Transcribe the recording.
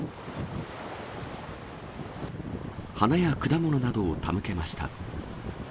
花や果物などを手向けました。